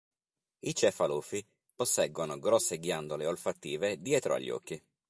I cefalofi posseggono grosse ghiandole olfattive dietro agli occhi.